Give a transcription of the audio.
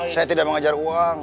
saya tidak mengajar uang